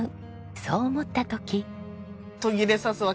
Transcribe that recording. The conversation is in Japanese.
そう思った時。